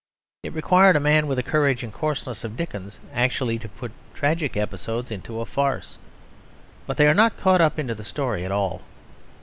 It required a man with the courage and coarseness of Dickens actually to put tragic episodes into a farce. But they are not caught up into the story at all.